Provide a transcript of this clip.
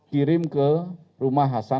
kirim ke rumah